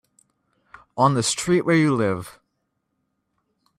On the street where you live.